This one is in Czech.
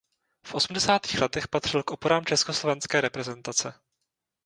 V osmdesátých letech patřil k oporám československé reprezentace.